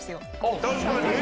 確かに！